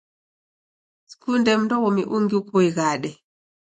Sikunde mndwaw'omi ungi uko ighade